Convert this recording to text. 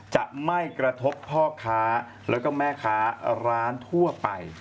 จะไม่กระทบพ่อค้าแล้วก็แม่ค้าร้านทั่วไป